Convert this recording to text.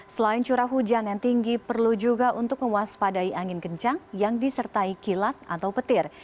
selain curah hujan yang tinggi perlu juga untuk mewaspadai angin kencang yang disertai kilat atau petir